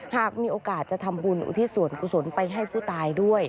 หากมีโอกาสจะทำบุญอุทิศส่วนกุศลไปให้ผู้ตายด้วย